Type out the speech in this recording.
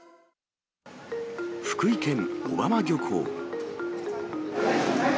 福井県小浜漁港。